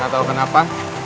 gak tau kenapa